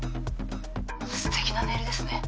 すてきなネイルですね。